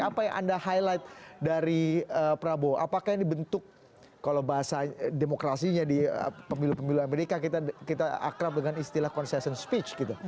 apa yang anda highlight dari prabowo apakah ini bentuk kalau bahasa demokrasinya di pemilu pemilu amerika kita akrab dengan istilah concession speech gitu